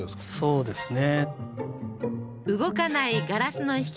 そうですよね